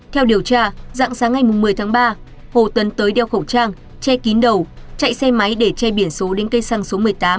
theo điều tra dạng sáng ngày một mươi tháng ba hồ tấn tới đeo khẩu trang che kín đầu chạy xe máy để che biển số đến cây xăng số một mươi tám